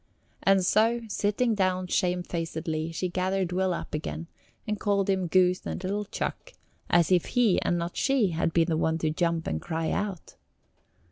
And so, sitting down shamefacedly, she gathered Will up again and called him goose and little chuck, as if he and not she had been the one to jump and cry out.